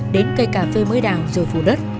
đến cây cà phê mới đào rồi phủ đất